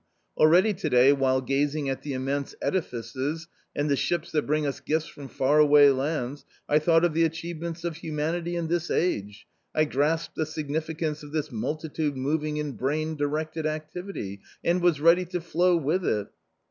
Already to day while gazing at the immense edifices, and the ships that bring us gifts from far away lands, I thought of the achievements of humanity in this age, I grasped the significance of this multitude moving in brain directed activity, and was ready to flow with it."